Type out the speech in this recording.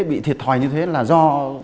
bị thiệt thoài như thế là do